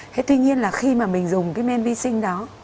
thế tuy nhiên là khi mà mình dùng cái men vi sinh đó